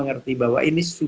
juga suara sol ditutup